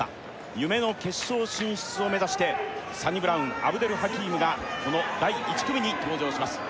夢の決勝進出を目指してサニブラウン・アブデル・ハキームがこの第１組に登場します